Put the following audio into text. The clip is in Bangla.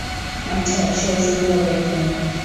আচ্ছা, শো শুরু হবে এক্ষুনি।